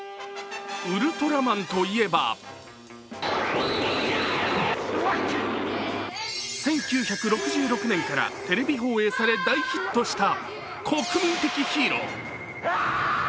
ウルトラマンといえば１９６６年からテレビ放映され大ヒットした国民的ヒーロー。